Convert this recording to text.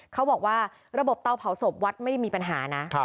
เขาบอกว่าระบบเตาเผาศพวัดไม่ได้มีปัญหานะ